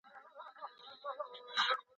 په انګلستان کي هم کله دا ستونزي سته.